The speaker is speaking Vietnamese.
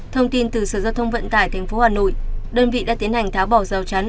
thông tin từ sở giao thông vận tải tp hà nội đơn vị đã tiến hành tháo bỏ rào chắn